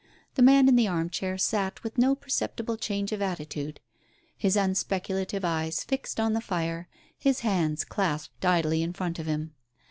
The man in the arm chair sat with no perceptible change of attitude, his unspeculative eyes fixed on the fire, his hands clasped idly in front of him.